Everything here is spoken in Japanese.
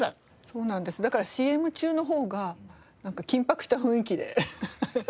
だからＣＭ中の方がなんか緊迫した雰囲気で。